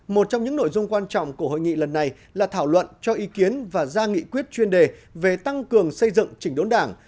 một trong những nội dung quan trọng của hội nghị lần này là thảo luận cho ý kiến và ra nghị quyết chuyên đề về tăng cường xây dựng chỉnh đốn đảng